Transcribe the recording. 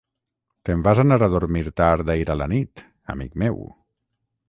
Te'n vas anar a dormir tard ahir a la nit, amic meu.